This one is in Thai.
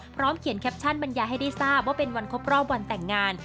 พร้อมเขียนแคปชั่นบรรยายให้ได้ทราบว่าเป็นวันครบรอบวันแต่งงาน